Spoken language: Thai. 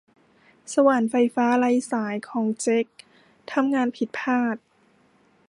สว่านไฟฟ้าไร้สายของเจดทำงานผิดพลาด